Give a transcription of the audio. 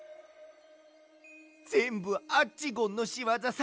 ぜんぶアッチゴンのしわざさ。